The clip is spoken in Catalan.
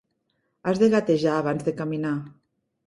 Has de gatejar abans de caminar.